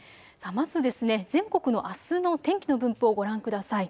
まず全国のあすの天気の分布をご覧ください。